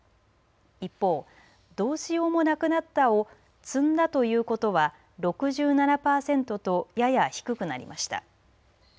一方、どうしようもなくなったを詰んだということは６７パーセントとやや低くなりました。